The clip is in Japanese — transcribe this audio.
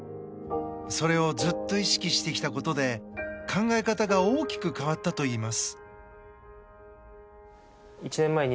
それをずっと意識してきたことで考え方が大きく変わったといいます。